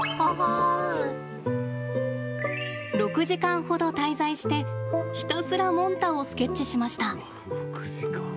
６時間ほど滞在してひたすらモンタをスケッチしました。